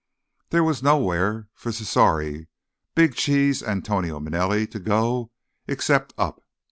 There was nowhere for Cesare "Big Cheese" Antonio Manelli to go, except up.